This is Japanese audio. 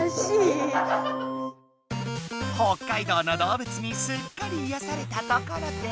北海道のどうぶつにすっかりいやされたところで。